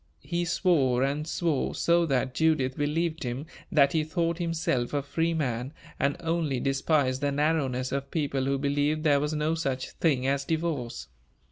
He swore and swore so that Judith believed him that he thought himself a free man, and only despised the narrowness of people who believed there was no such thing as divorce.